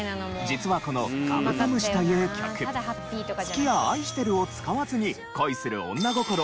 実はこの『カブトムシ』という曲「好き」や「愛してる」を使わずに恋する女心を見事に表現。